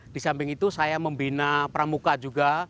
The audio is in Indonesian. di samping itu saya membina pramuka juga